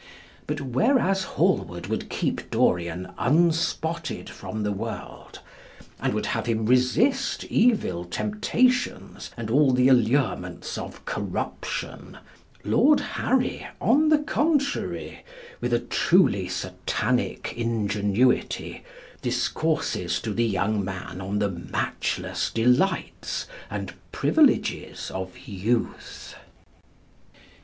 But whereas Hallward would keep Dorian unspotted from the world, and would have him resist evil temptations and all the allurements of corruption, Lord Harry, on the contrary, with a truly Satanic ingenuity, discourses to the young man on the matchless delights and privileges of youth.